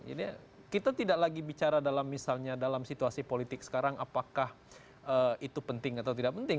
jadi kita tidak lagi bicara dalam misalnya dalam situasi politik sekarang apakah itu penting atau tidak penting